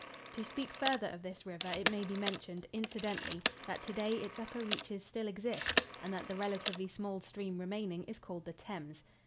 To speak further of this river it may be mentioned, incidentally, that to day its upper reaches still exist and that the relatively small stream remaining is called the Thames.